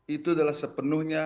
itu adalah sepenuhnya